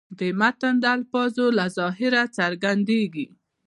د متن د الفاظو له ظاهره څرګندېږي.